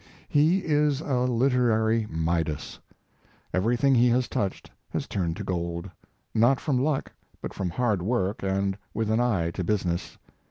He is a literary Midas. Everything he has touched has turned to gold, not from luck, but from hard work and with an eye to business.